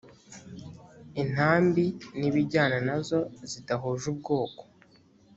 intambi n ibijyana na zo zidahuje ubwoko